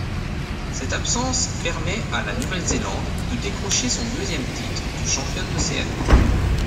Cette absence permet à la Nouvelle-Zélande de décrocher son deuxième titre de championne d'Océanie.